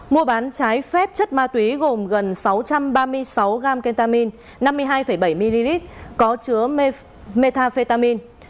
mua bán trái phép chất ma túy gồm gần sáu trăm ba mươi sáu gram ketamine năm mươi hai bảy ml có chứa metafetamin